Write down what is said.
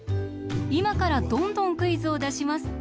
いまからどんどんクイズをだします。